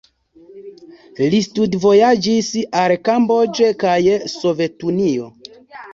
Li studvojaĝis al Cambridge kaj Sovetunio.